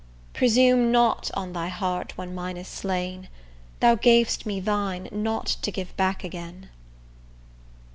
Presume not on thy heart when mine is slain, Thou gav'st me thine not to give back again.